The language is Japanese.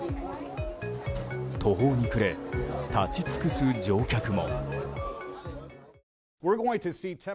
途方に暮れ、立ち尽くす乗客も。